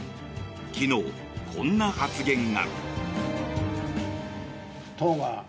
昨日、こんな発言が。